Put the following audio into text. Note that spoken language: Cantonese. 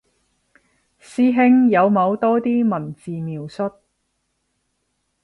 師兄有冇多啲文字描述